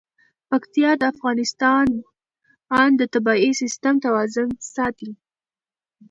پکتیا د افغانستان د طبعي سیسټم توازن ساتي.